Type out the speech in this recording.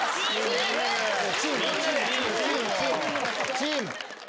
チーム！